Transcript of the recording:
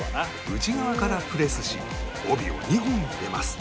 内側からプレスし帯を２本入れます